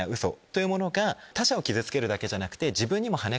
他者を傷つけるだけじゃなくて。